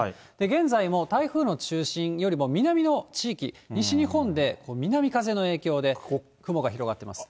現在も台風の中心よりも南の地域、西日本で、南風の影響で、雲が広がってます。